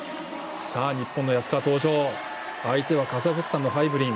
日本の安川登場相手はカザフスタンのハイブリン。